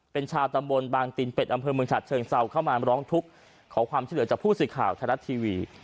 เป็นชาวตำบลบางตินเป็ดอำเภอเมืองฉัดเชิงเซาเข้ามาร้องทุกข์ขอความช่วยเหลือจากผู้สื่อข่าวไทยรัฐทีวี